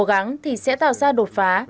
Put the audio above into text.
cùng cố gắng thì sẽ tạo ra đột phá